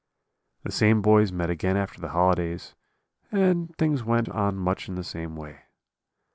"The same boys met again after the holidays, and things went on much in the same way.